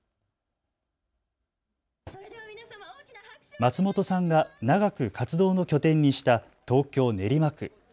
松本さんが長く活動の拠点にした東京練馬区。